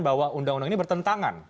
bahwa undang undang ini bertentangan